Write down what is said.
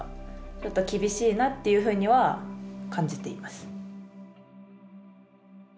ちょっと厳しいなというふうには感じています。